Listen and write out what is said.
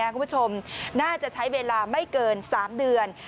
คุณผู้ชมน่าจะใช้เวลาไม่เกิน๓เดือน